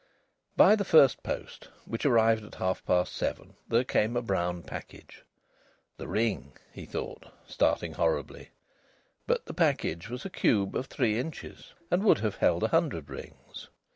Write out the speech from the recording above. By the first post, which arrived at half past seven, there came a brown package. "The ring!" he thought, starting horribly. But the package was a cube of three inches, and would have held a hundred rings.